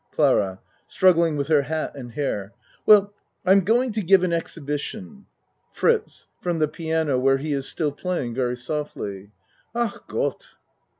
CLARA (Struggling with her hat and hair.) Well I'm going to give an exhibition. FRITZ (From the piano where he is still playing very softly.) Ach gott!